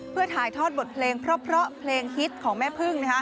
เพื่อถ่ายทอดบทเพลงเพราะเพลงฮิตของแม่พึ่ง